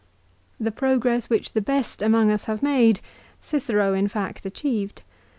The progress which the best among us have made Cicero in fact achieved.